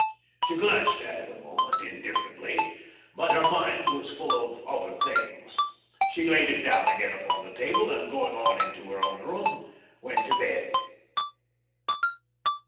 She glanced at it a moment, indifferently; but her mind was full of other things. She laid it down again upon the table, and going on to her own room, went to bed.